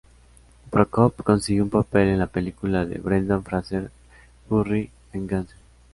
Prokop consiguió un papel en la película de Brendan Fraser "Furry Vengeance".